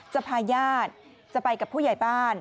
พาญาติจะไปกับผู้ใหญ่บ้าน